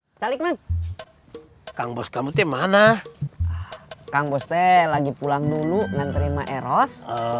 hai salikman kang bos kamu te mana kang boste lagi pulang dulu menerima eros